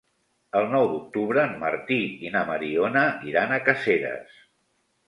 El nou d'octubre en Martí i na Mariona iran a Caseres.